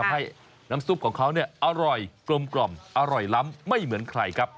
ให้น้ำซุปของเขาเนี่ยอร่อยกลมอร่อยล้ำไม่เหมือนใครครับ